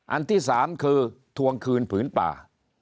อันที่๓คือทวงคืนผืนป่า